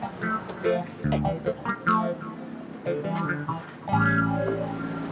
gak kenapa kenapa ya